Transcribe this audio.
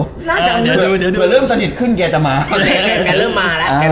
เดี๋ยวเดี๋ยวเริ่มสนิทขึ้นแกจะมาแกเริ่มมาแล้วแก